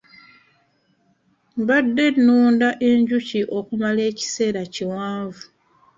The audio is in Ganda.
Mbadde nunda enjuki okumala ekiseera ekiwanvu.